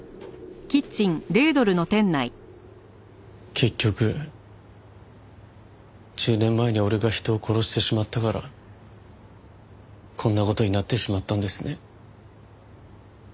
結局１０年前に俺が人を殺してしまったからこんな事になってしまったんですね。